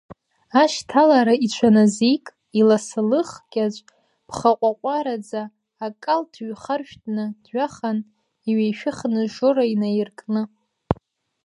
Ашьҭалара иҽаназик, иласалых кьаҿ ԥхаҟәаҟәараӡа, акалҭ ҩхаршәҭны дҩахан, иҩеишәыхны Жора инаиркны…